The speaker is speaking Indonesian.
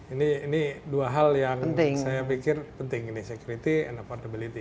ini dua hal yang saya pikir penting ini security and affordability